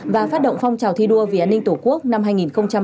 và phát động phong trào thi đua về an ninh tổ quốc năm hai nghìn hai mươi hai